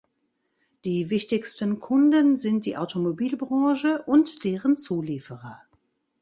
Die wichtigsten Kunden sind die Automobilbranche und deren Zulieferer.